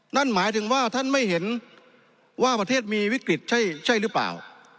นั่นหมายถึงว่าท่านไม่เห็นว่าประเทศมีวิกฤตใช่หรือเปล่า